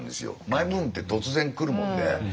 マイブームって突然くるもんで。